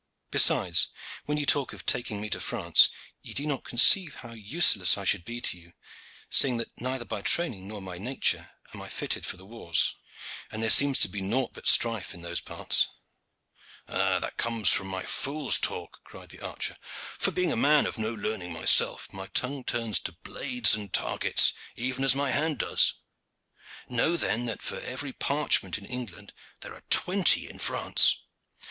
Besides, when ye talk of taking me to France, ye do not conceive how useless I should be to you, seeing that neither by training nor by nature am I fitted for the wars, and there seems to be nought but strife in those parts." "That comes from my fool's talk," cried the archer; "for being a man of no learning myself, my tongue turns to blades and targets, even as my hand does. Know then that for every parchment in England there are twenty in France.